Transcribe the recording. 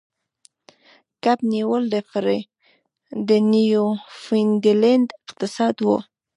کب نیول د نیوفونډلینډ اقتصاد و.